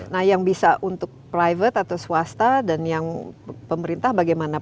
nah yang bisa untuk private atau swasta dan yang pemerintah bagaimana